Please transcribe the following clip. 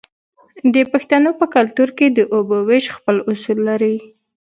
د پښتنو په کلتور کې د اوبو ویش خپل اصول لري.